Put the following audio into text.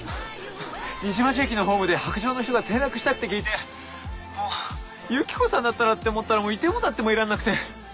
虹町駅のホームで白杖の人が転落したって聞いてもうユキコさんだったらって思ったら居ても立ってもいらんなくて。